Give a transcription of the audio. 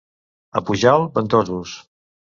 A Pujalt, ventosos.